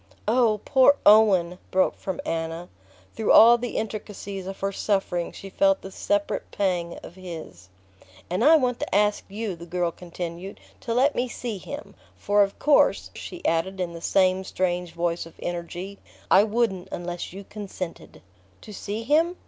"Oh, poor Owen!" broke from Anna. Through all the intricacies of her suffering she felt the separate pang of his. "And I want to ask you," the girl continued, "to let me see him; for of course," she added in the same strange voice of energy, "I wouldn't unless you consented." "To see him?"